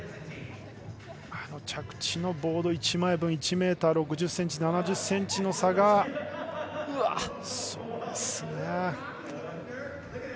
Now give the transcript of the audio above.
あの着地のボード１枚分１ｍ６０から７０ｃｍの差ですね。